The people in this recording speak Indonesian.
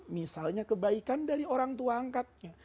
misalnya kebaikan dari orang tua angkatnya